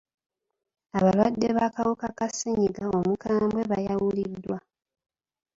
Abalwadde b'akawuka ka ssenyiga omukambwe bayawuliddwa.